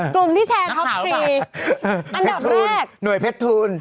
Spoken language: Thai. กลุ่มที่แชร์ครอปทรีย์อันดับแรกอันดับแรกคือคุณครูหน่วยเพชรทูล